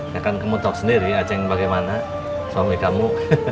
ya kan kamu tahu sendiri aceh bagaimana suami kamu